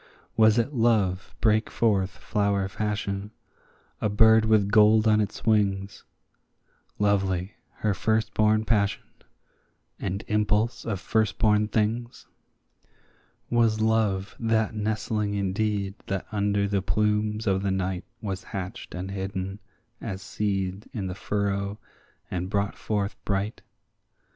Was it Love brake forth flower fashion, a bird with gold on his wings, Lovely, her firstborn passion, and impulse of firstborn things? Was Love that nestling indeed that under the plumes of the night Was hatched and hidden as seed in the furrow, and brought forth bright?